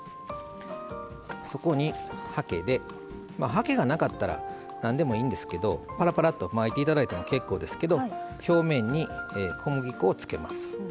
はけがなかったら何でもいいんですけどぱらぱらっとまいて頂いても結構ですけど表面に小麦粉をつけます。